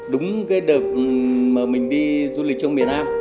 đúng cái đợt mà mình đi du lịch trong miền nam